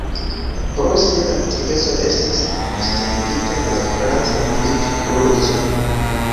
Pro sia aktiveco estis distingita de la franca Milit-Kruco.